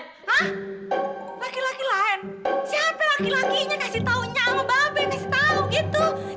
hah laki laki lain